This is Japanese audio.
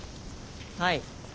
はい。